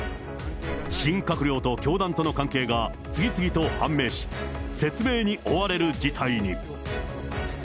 新閣僚と教団との関係が次々と判明し、説明に追われる事態に。